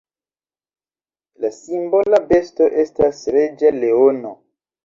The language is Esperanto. La simbola besto estas reĝa leono.